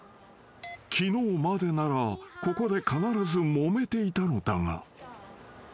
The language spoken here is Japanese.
［昨日までならここで必ずもめていたのだが］